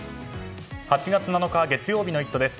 ８月７日、月曜日の「イット！」です。